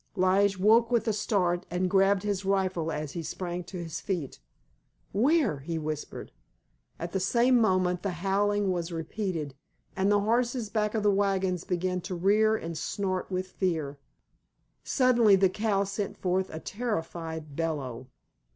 Lige woke with a start, and grabbed his rifle as he sprang to his feet. "Where?" he whispered. At the same moment the howling was repeated, and the horses back of the wagons began to rear and snort with fear. Suddenly the cow sent forth a terrified bellow.